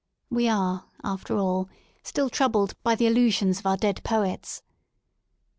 We are, after all, still troubled by the illusions of our dead poets.